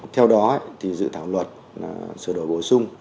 theo đó dự thảo luật sửa đổi bổ sung